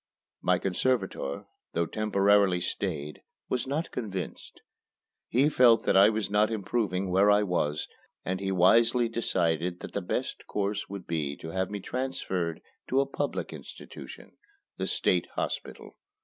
My conservator, though temporarily stayed, was not convinced. He felt that I was not improving where I was, and he wisely decided that the best course would be to have me transferred to a public institution the State Hospital.